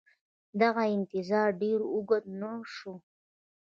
دغه انتظار ډېر اوږد نه شو.